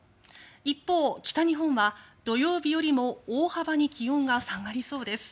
一方、北日本は土曜日よりも大幅に気温が下がりそうです。